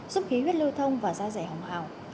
giúp khí huyết lưu thông và da dày hồng hào